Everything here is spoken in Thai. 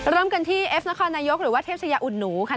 เริ่มกันที่เอฟนครนายกหรือว่าเทพชายาอุ่นหนูค่ะ